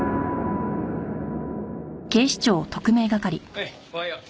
はいおはよう。